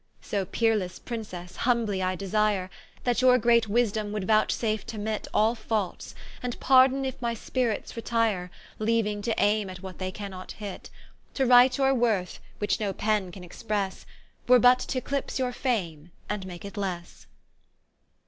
So peerelesse Princesse humbly I desire, That your great wisedome would vouchsafe t'omit All faults; and pardon if my spirits retire, Leauing to ayme at what they cannot hit: To write your worth, which no pen can expresse, Were but t'ecclipse your Fame, and make it lesse.